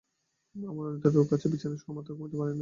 আমার অনিদ্রা রোগ আছে, বিছানায় শোয়ামাত্র ঘুমুতে পারি না।